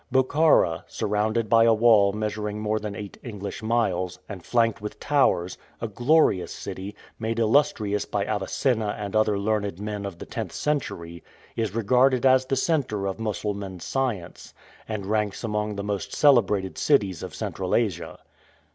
Bokhara, surrounded by a wall measuring more than eight English miles, and flanked with towers, a glorious city, made illustrious by Avicenna and other learned men of the tenth century, is regarded as the center of Mussulman science, and ranks among the most celebrated cities of Central Asia.